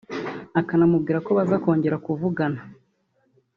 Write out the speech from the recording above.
akanamubwira ko baza kongera kuvugana